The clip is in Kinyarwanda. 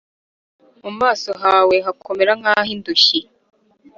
Mu maso hawe hakomera nka hindushyi